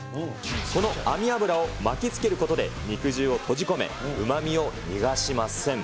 この網脂を巻きつけることで、肉汁を閉じ込め、うまみを逃がしません。